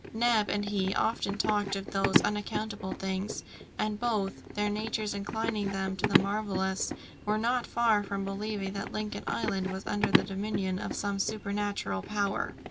Neb and he often talked of those unaccountable things, and both, their natures inclining them to the marvellous, were not far from believing that Lincoln Island was under the dominion of some supernatural power.